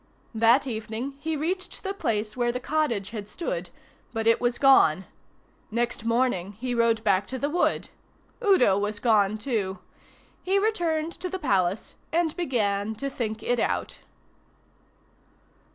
That evening he reached the place where the cottage had stood, but it was gone. Next morning he rode back to the wood. Udo was gone too. He returned to the Palace, and began to think it out.